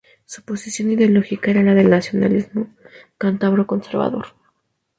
Su posición ideológica era la del nacionalismo cántabro conservador.